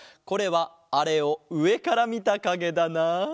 これはあれをうえからみたかげだな？